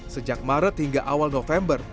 sejak maret hingga awal november